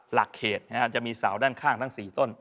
หลักเขตจะมีเสาด้านข้างทั้ง๔ต้น